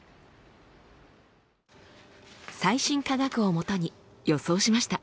最新科学をもとに予想しました。